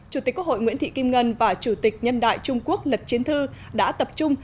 chủ tịch quốc hội nguyễn thị kim ngân và chủ tịch nhân đại trung quốc lật chiến thư đã tập trung